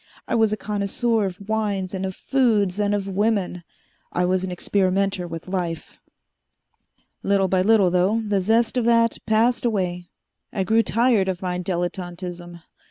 I was a connoisseur of wines and of foods and of women. I was an experimenter with life. "Little by little, though, the zest of that passed away. I grew tired of my dilettantism.